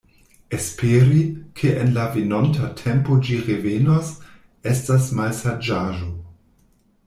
Esperi, ke en la venonta tempo ĝi revenos, estas malsaĝaĵo.